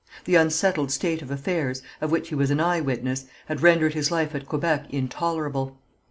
The unsettled state of affairs, of which he was an eye witness, had rendered his life at Quebec intolerable.